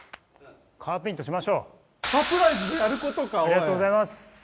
ありがとうございます。